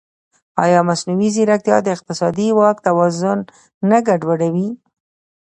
ایا مصنوعي ځیرکتیا د اقتصادي واک توازن نه ګډوډوي؟